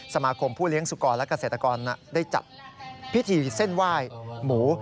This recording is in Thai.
ผู้เลี้ยงสุกรและเกษตรกรได้จัดพิธีเส้นไหว้หมู